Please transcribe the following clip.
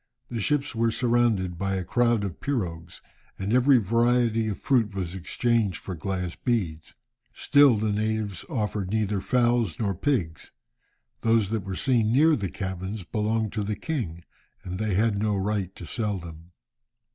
The ships were surrounded by a crowd of pirogues, and every variety of fruit was exchanged for glass beads. Still the natives offered neither fowls nor pigs. Those that were seen near the cabins belonged to the king, and they had no right to sell them.